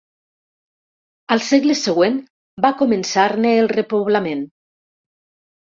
Al segle següent va començar-ne el repoblament.